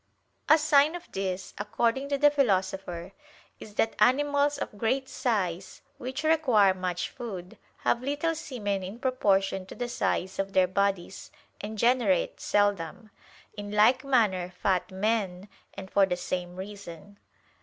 A sign of this, according to the Philosopher, is that animals of great size, which require much food, have little semen in proportion to the size of their bodies, and generate seldom; in like manner fat men, and for the same reason.